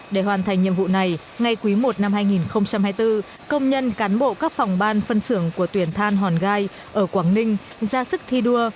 để hoàn thành nhiệm vụ này ngay quý i năm hai nghìn hai mươi bốn công nhân cán bộ các phòng ban phân xưởng của tuyển than hòn gai ở quảng ninh ra sức thi đua